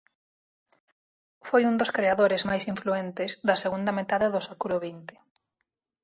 Foi un dos creadores máis influentes da segunda metade do século vinte.